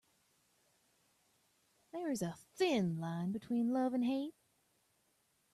There is a thin line between love and hate.